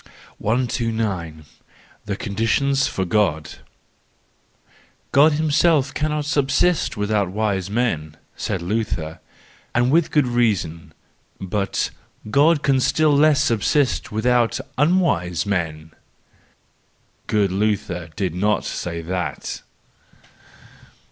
129. The Conditions for God .—" God himself cannot subsist without wise men / 1 said Luther, and with good reason ; but " God can still less subsist with¬ out unwise men,"—good Luther did not say that!